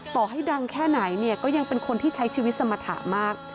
ต่อให้ดังแค่ไหนเนี่ยก็ยังเป็นคนที่ใช้ชีวิตสมรรถะมาก